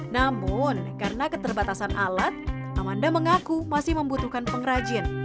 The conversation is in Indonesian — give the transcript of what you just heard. namun karena keterbatasan alat amanda mengaku masih membutuhkan pengrajin